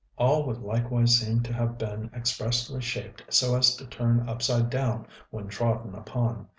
All would likewise seem to have been expressly shaped so as to turn upside down when trodden upon.